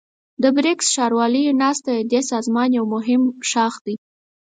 د بريکس ښارواليو ناسته ددې سازمان يو مهم ښاخ دی.